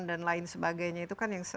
dan lain sebagainya itu kan